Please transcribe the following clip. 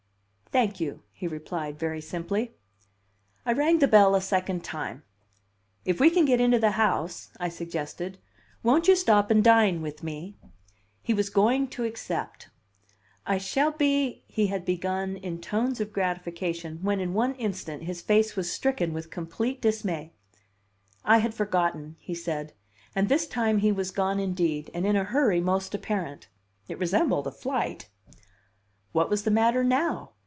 "Thank you," he replied very simply. I rang the bell a second time. "If we can get into the house," I suggested, "won't you stop and dine with me?" He was going to accept. "I shall be " he had begun, in tones of gratification, when in one instant his face was stricken with complete dismay. "I had forgotten," he said; and this time he was gone indeed, and in a hurry most apparent. It resembled a flight. What was the matter now?